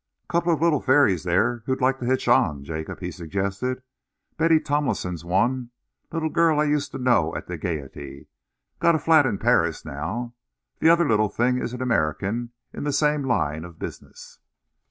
"Couple of little fairies there who'd like to hitch on, Jacob," he suggested. "Betty Tomlinson's one, little girl I used to know at the Gaiety. Got a flat in Paris now. The other little thing is an American in the same line of business."